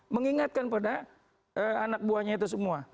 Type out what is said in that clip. mengingatkan pada anak buahnya itu semua